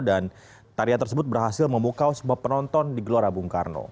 dan tarian tersebut berhasil membuka semua penonton di gelora bung karno